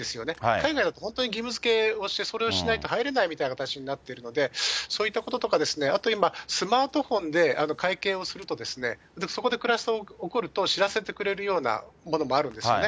海外だと本当に義務づけをして、それをしないとは入れないみたいな形になってるので、そういったこととか、あと今、スマートフォンで会計をすると、そこでクラスターが起こると、知らせてくれるようなものもあるんですよね。